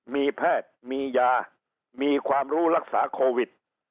มีแพทย์มียามีความรู้รักษาโควิด